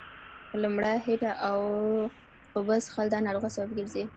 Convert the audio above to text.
په لمړه هيټه اوبه څښل دا ناروغۍ سبب ګرځي